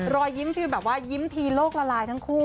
รอยยิ้มคือแบบว่ายิ้มทีโลกละลายทั้งคู่